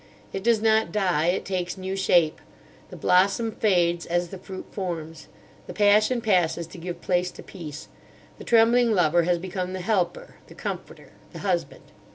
It does not die, it takes new shape. The blossom fades as the fruit forms. The passion passes to give place to peace. The trembling lover has become the helper, the comforter, the husband."